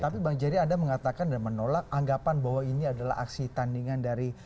tapi bang jerry anda mengatakan dan menolak anggapan bahwa ini adalah aksi tandingan dari